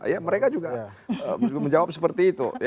ya mereka juga menjawab seperti itu